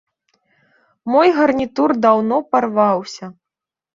Мой гарнітур даўно парваўся.